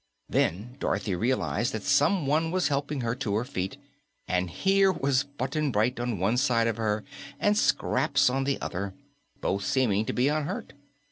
Then Dorothy realized that someone was helping her to her feet, and here was Button Bright on one side of her and Scraps on the other, both seeming to be unhurt.